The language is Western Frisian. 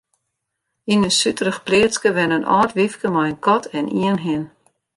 Yn in suterich pleatske wenne in âld wyfke mei in kat en ien hin.